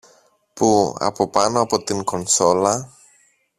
που από πάνω από την κονσόλα